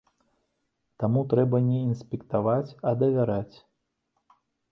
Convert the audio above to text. Таму трэба не інспектаваць, а давяраць.